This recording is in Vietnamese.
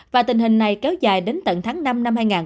và tình hình này kéo dài đến tận tháng năm năm hai nghìn hai mươi